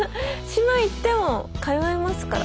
島行っても通えますから。